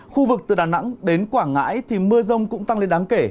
khu vực từ đà nẵng đến quảng ngãi thì mưa rông cũng tăng lên đáng kể